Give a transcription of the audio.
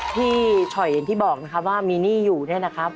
พี่ฉ่อยเห็นพี่บอกนะคะว่ามีหนี้อยู่นี่นะครับ